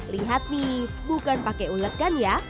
lihat nih bukan pake ulet kan ya